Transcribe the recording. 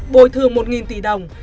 bồi thường một tỷ đồng